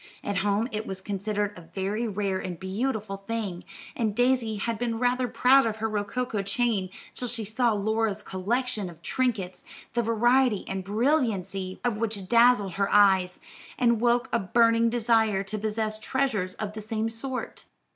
At home it was considered a very rare and beautiful thing, and Daisy had been rather proud of her rococo chain till she saw Laura's collection of trinkets, the variety and brilliancy of which dazzled her eyes, and woke a burning desire to possess treasures of the same sort.